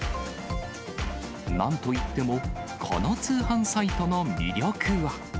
なんといっても、この通販サイトの魅力は。